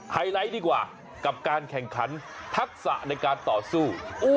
ไฮไลท์ดีกว่ากับการแข่งขันทักษะในการต่อสู้